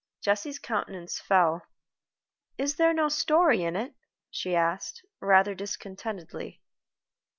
Jessie's countenance fell. "Is there no story in it?" she asked, rather discontentedly.